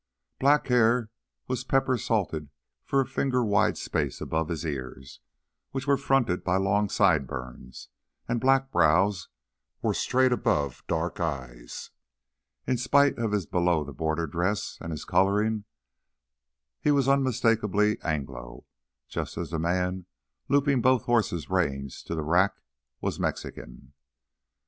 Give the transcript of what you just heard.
Black hair was pepper salted for a finger wide space above his ears, which were fronted by long sideburns, and black brows were straight above dark eyes. In spite of his below the border dress and his coloring, he was unmistakably Anglo, just as the man looping both horses' reins to the rack was Mexican.